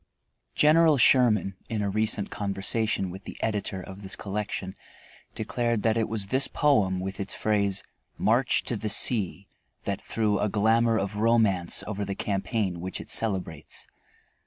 General Sherman, in a recent conversation with the editor of this collection, declared that it was this poem with its phrase, "march to the sea," that threw a glamour of romance over the campaign which it celebrates.